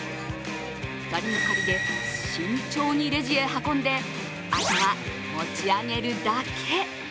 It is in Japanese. ２人がかりで慎重にレジへ運んであとは持ち上げるだけ。